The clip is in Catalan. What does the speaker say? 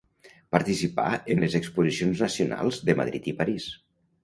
Participà en les Exposicions nacionals de Madrid i París.